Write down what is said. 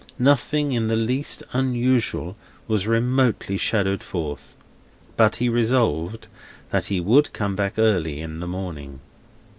Nothing in the least unusual was remotely shadowed forth. But he resolved that he would come back early in the morning.